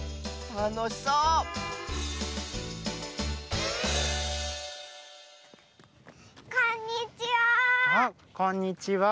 たのしそうこんにちは！